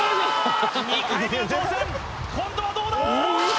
今度はどうだ